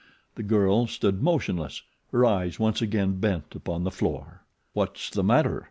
The girl stood motionless, her eyes once again bent upon the floor. "What's the matter?"